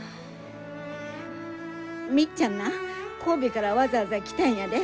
みっちゃんな神戸からわざわざ来たんやで？